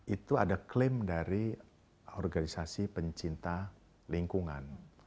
itu ada klaim dari organisasi pencinta lingkungan